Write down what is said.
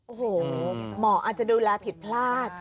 โอ้โหหมออาจจะดูแลผิดพลาด